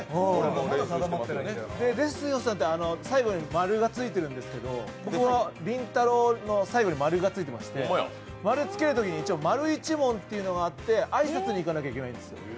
ですよさんって最後に○がついてるんですけど、僕のりんたろーの最後に○がついてまして、○つけるときに、一応丸一門として挨拶に行かなきゃいけないんですよ。